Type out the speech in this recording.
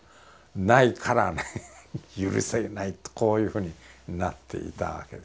ないからね許せないとこういうふうになっていたわけですね。